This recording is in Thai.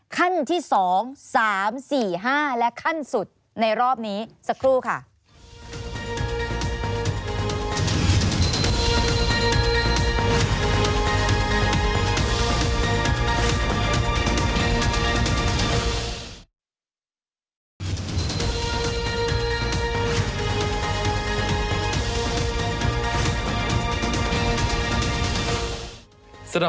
ขั้นที่สองสามสี่ห้าและขั้นสุดในรอบนี้สักครู่ค่ะ